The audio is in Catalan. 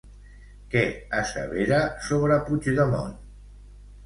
Què assevera sobre Puigdemont?